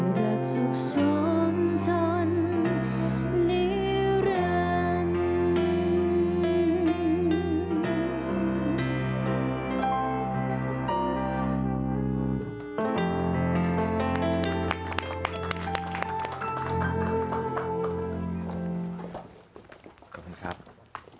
ด้วยรักสุขสมจนนิรันดิ์